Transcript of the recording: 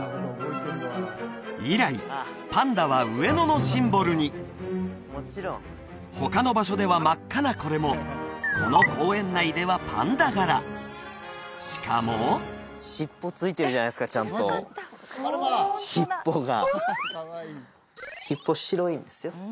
以来パンダは上野のシンボルに他の場所では真っ赤なこれもこの公園内ではパンダ柄しかも尻尾ついてるじゃないですかちゃんと尻尾が尻尾白いんですよ